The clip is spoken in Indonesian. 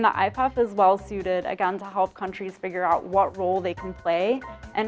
dan ipaf juga sesuai untuk membantu negara mencari peran yang bisa mereka lakukan